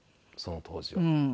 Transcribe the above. その当時は。